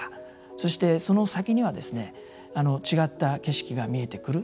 そして、その先には違った景色が見えてくる。